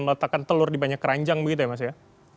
meletakkan telur di banyak keranjang begitu ya mas ya